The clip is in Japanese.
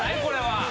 これは。